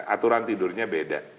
aturan tidurnya beda